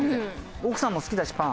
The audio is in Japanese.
奥さんも好きだしパン。